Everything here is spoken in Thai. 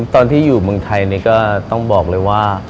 ตอนที่อยู่เมืองไทยนี่ก็ต้องบอกเลยว่า